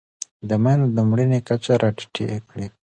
د مېندو د مړینې کچه راټیټه کړئ.